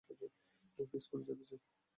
ও কি স্কুলে যেতে চায়?